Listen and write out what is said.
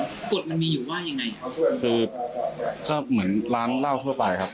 กฎมันมีอยู่ว่ายังไงครับคือก็เหมือนร้านเหล้าทั่วไปครับ